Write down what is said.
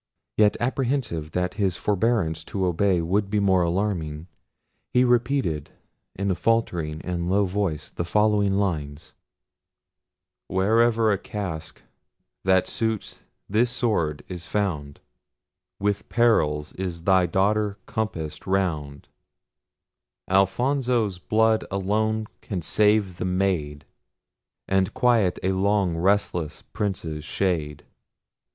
Yet apprehensive that his forbearance to obey would be more alarming, he repeated in a faltering and low voice the following lines: "Where'er a casque that suits this sword is found, With perils is thy daughter compass'd round; Alfonso's blood alone can save the maid, And quiet a long restless Prince's shade."